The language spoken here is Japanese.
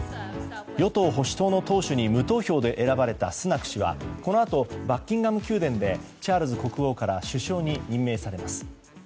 与党・保守党の党首に無投票で選ばれたスナク氏はこのあと、バッキンガム宮殿でチャールズ国王から首相に任命されます。